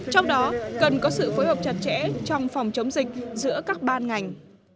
trong đó cần có sự phối hợp chặt chẽ trong phòng chống dịch giữa các ban ngành